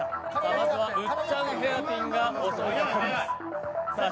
まずはウッチャンヘアピンが襲いかかります。